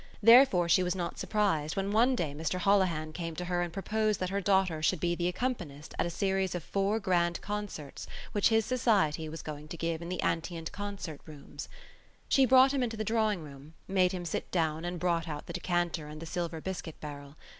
Therefore she was not surprised when one day Mr Holohan came to her and proposed that her daughter should be the accompanist at a series of four grand concerts which his Society was going to give in the Antient Concert Rooms. She brought him into the drawing room, made him sit down and brought out the decanter and the silver biscuit barrel.